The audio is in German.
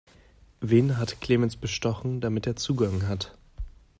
Wen hat Clemens bestochen, damit er Zugang hat?